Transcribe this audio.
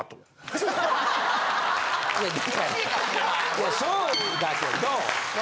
いやそうだけど。